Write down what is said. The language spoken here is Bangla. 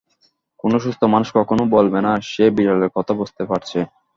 কোনো সুস্থ মানুষ কখনো বলবে না, সে বিড়ালের কথা বুঝতে পারছে।